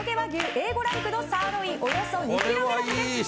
Ａ５ランクのサーロインおよそ２ｋｇです。